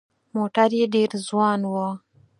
موټر یې ډېر ځوان و.